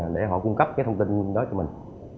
để họ cung cấp cái thông tin đó cho mình